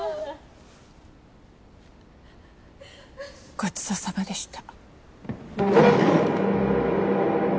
ごちそうさまでした。